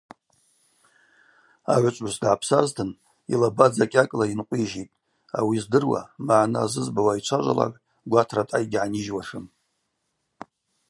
Агӏвычӏвгӏвыс дгӏапсазтын йлаба дзакӏьакӏла йынкъвижьитӏ, ауи здыруа, магӏны азызбауа айчважвалагӏв гватрадъа йгьгӏанижьуашым.